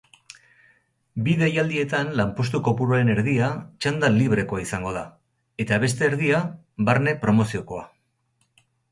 Bi deialdietan lanpostu kopuruaren erdia txanda librekoa izango da eta beste erdia barne-promoziokoa.